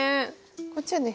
こっちはね